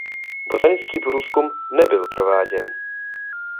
Botanický průzkum nebyl prováděn.